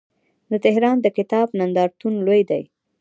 د تهران د کتاب نندارتون لوی دی.